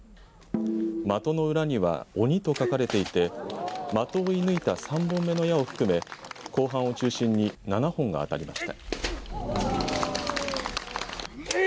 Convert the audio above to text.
的の裏には鬼と書かれていて的を射抜いた３本目の矢を含め後半を中心に７本が当たりました。